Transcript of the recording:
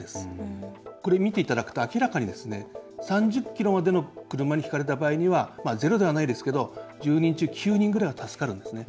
これ見ていただくと明らかに３０キロまでの車にひかれた場合にはゼロではないですけど１０人中９人ぐらいは助かるんですね。